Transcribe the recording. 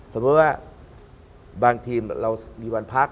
สมมุติว่าบางทีมเรามีวันพัก